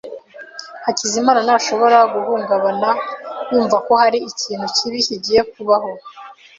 Hakizimana ntashobora guhungabana yumva ko hari ikintu kibi kigiye kubaho.